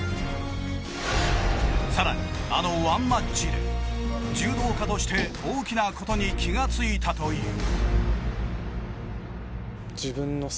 さらにあのワンマッチで柔道家として大きなことに気が付いたという。